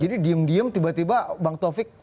jadi diem diem tiba tiba bang taufik